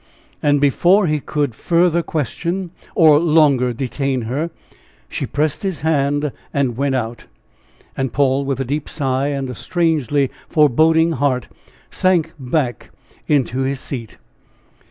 And before he could farther question, or longer detain her, she pressed his hand and went out. And Paul, with a deep sigh and a strangely foreboding heart, sank back into his seat.